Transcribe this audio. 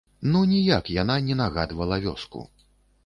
Ну ніяк яна не нагадвала вёску!